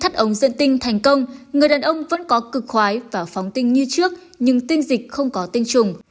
tinh dịch phóng tinh như trước nhưng tinh dịch không có tinh trùng